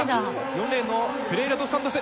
４レーンのフェレイラ・ドス・サントス。